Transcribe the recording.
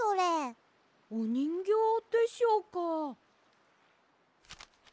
おにんぎょうでしょうか。